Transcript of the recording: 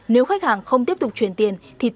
nếu khách hàng không tiếp tục chuyển tiền